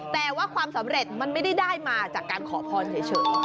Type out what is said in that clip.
แต่ว่าความสำเร็จมันไม่ได้ได้มาจากการขอพรเฉย